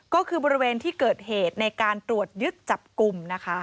ก็คือบริเวณที่เกิดเหตุในการตรวจยึดจับกลุ่มนะคะ